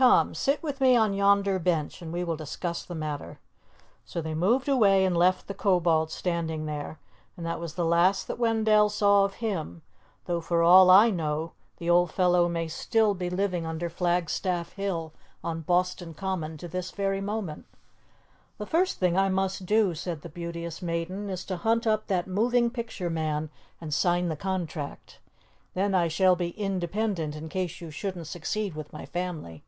Come, sit with me on yonder bench, and we will discuss the matter." So they moved away and left the Kobold standing there, and that was the last that Wendell saw of him, though for all I know, the old fellow may still be living under Flag Staff Hill on Boston Common to this very moment. "The first thing I must do," said the Beauteous Maiden, "is to hunt up that moving picture man and sign the contract. Then I shall be independent in case you shouldn't succeed with my family."